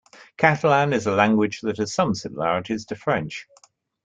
Catalan is a language that has some similarities to French.